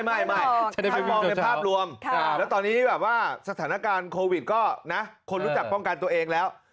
ไม่ให้มองในภาพรวมแล้วตอนนี้แบบว่าสถานการณ์โควิดก็นะคนรู้จักป้องกันตัวเองแล้ว